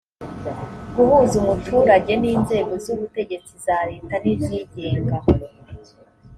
guhuza umuturage n’inzego z’ubutegetsi za leta n’izigenga